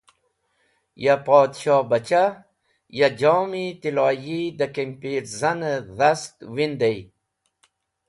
Ya Podshohbachah ya jom-e tiloyi da kimpirzan-e dhast windey.